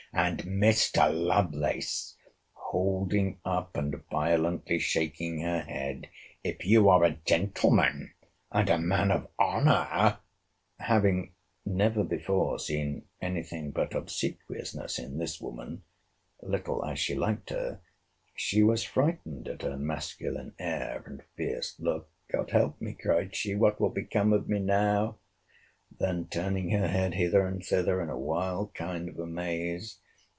And, Mr. Lovelace, [holding up, and violently shaking her head,] if you are a gentleman, and a man of honour—— Having never before seen any thing but obsequiousness in this woman, little as she liked her, she was frighted at her masculine air, and fierce look—God help me! cried she—what will become of me now! Then, turning her head hither and thither, in a wild kind of amaze.